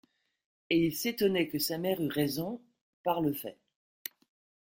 Et il s'étonnait que sa mère eût raison, par le fait.